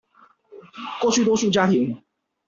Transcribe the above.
過去多數家庭